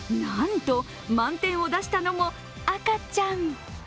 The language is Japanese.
なんと、満点を出したのも、赤ちゃん。